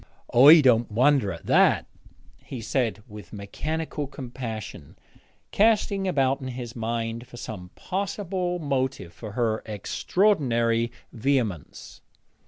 'I don't wonder at that,' he said, with mechanical compassion, casting about in his mind for some possible motive for her extraordinary vehemence.